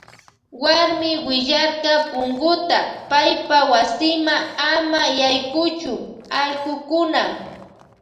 Wuarmi wicharka punkuta paypa wasima ama yaykuchun allkukuna.